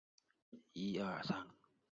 协助二度就业母亲